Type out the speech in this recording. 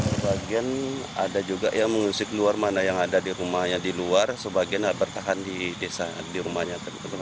sebagian ada juga yang mengungsi keluar mana yang ada di rumahnya di luar sebagian bertahan di rumahnya